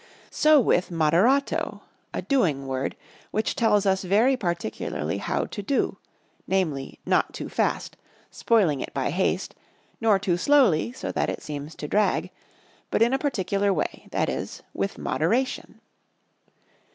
So with Modcrato, a doing word which tells us very particularly how to do; namely, not too fast, spoiling it by haste, nor too slowly, so that it seems to drag, but in a particular way, that is, with moderation.